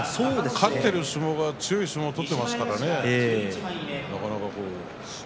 勝っている相撲は強い相撲を取っていますからね。